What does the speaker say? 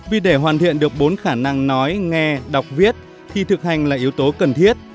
vì để hoàn thiện được bốn khả năng nói nghe đọc viết thì thực hành là yếu tố cần thiết